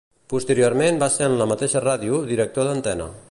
Posteriorment va ser en la mateixa ràdio Director d'Antena.